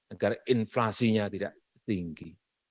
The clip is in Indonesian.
agar inflasinya tidak tinggi